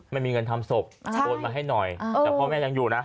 ไม่มีเงินทำศพโอนมาให้หน่อยแต่พ่อแม่ยังอยู่นะ